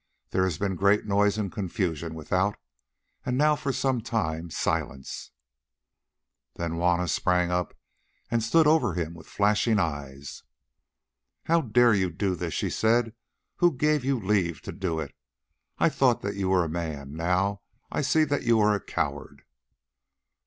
There has been great noise and confusion without, and now for some time silence." Then Juanna sprang up and stood over him with flashing eyes. "How dared you do this?" she said. "Who gave you leave to do it? I thought that you were a man, now I see that you are a coward."